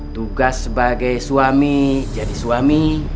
tugas sebagai suami jadi suami